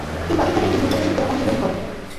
তিনি পাকিস্তানের একটি গ্রুপ প্রদর্শনীতে অংশগ্রহণ করেন।